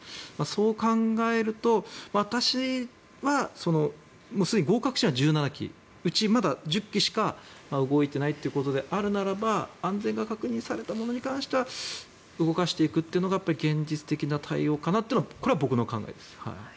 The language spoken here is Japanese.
そう考えると私はすでに合格しているのが１７基うちまだ１０基しか動いてないということであるならば安全が確認されたものに関しては動かしていくというのが現実的な対応かなというのが僕の考えです。